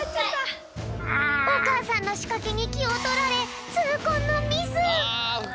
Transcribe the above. おかあさんのしかけにきをとられつうこんのミス！